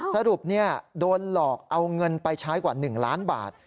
สรุปโดนหลอกเอาเงินไปใช้กว่า๑ล้านบาท